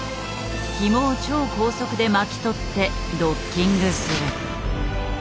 ヒモを超高速で巻き取ってドッキングする。